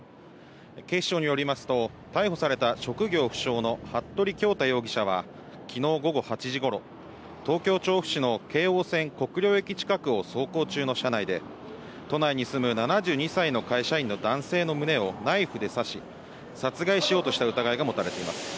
警視庁よりますと、逮捕された職業不詳の服部恭太容疑者は、昨日午後８時頃、東京・調布市の京王線国領駅近くを走行中の車内で都内に住む７２歳の会社員の男性の胸をナイフで刺し、殺害しようとした疑いが持たれています。